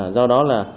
do đó là